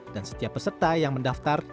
dan setiap peserta yang mendaftar